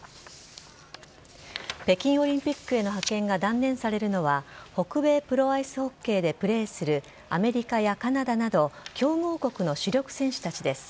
北京オリンピックへの派遣が断念されるのは北米プロアイスホッケーでプレーするアメリカやカナダなど、強豪国の主力選手たちです。